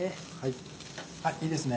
あっいいですね